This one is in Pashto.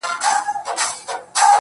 د ځوانيمرگ د هر غزل په سترگو کي يم~